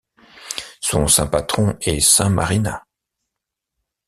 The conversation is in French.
Son saint patron est St Marinha.